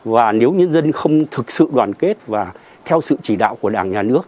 và nếu nhân dân không thực sự đoàn kết và theo sự chỉ đạo của đảng nhà nước